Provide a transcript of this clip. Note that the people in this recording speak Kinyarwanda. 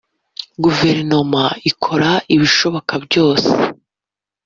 Guverinoma ikora ibishoboka byose